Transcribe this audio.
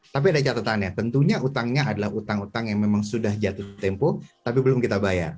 tapi ada catatannya tentunya utangnya adalah utang utang yang memang sudah jatuh tempo tapi belum kita bayar